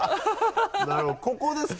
なるほどここですか？